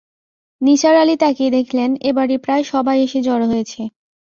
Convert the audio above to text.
নিসার আলি তাকিয়ে দেখলেন, এ-বাড়ির প্রায় সবাই এসে জড়ো হয়েছে।